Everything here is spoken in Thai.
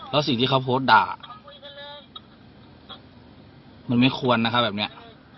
แล้วสิ่งที่เขาโพสต์ด่ามันไม่ควรนะครับแบบนี้